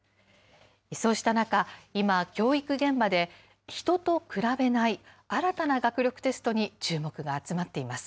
そうした中、今、教育現場で人と比べない新たな学力テストに注目が集まっています。